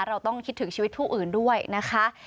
เราต้องคิดถึงชีวิตผู้อื่นด้วยนะคะ